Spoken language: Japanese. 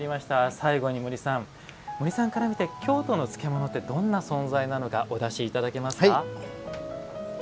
最後に森さんから見て京都の漬物ってどんな存在なのかお出しいただけますか。